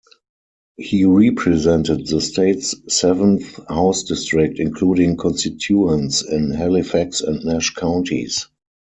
He represented the state's seventh House district, including constituents in Halifax and Nash counties.